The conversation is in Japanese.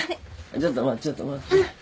ちょっと待ってちょっと待って。